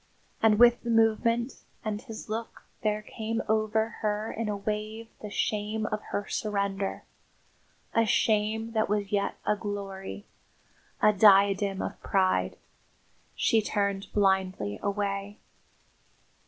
And with the movement and his look there came over her in a wave the shame of her surrender, a shame that was yet a glory, a diadem of pride. She turned blindly away.